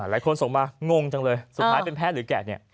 ส่งมางงจังเลยสุดท้ายเป็นแพ้หรือแกะเนี่ย